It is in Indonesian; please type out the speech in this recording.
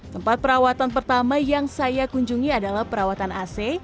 tempat perawatan pertama yang saya kunjungi adalah perawatan ac